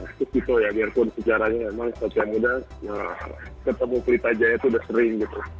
itu gitu ya biarpun sejarahnya memang sosial muda ya ketemu pelita jaya itu udah sering gitu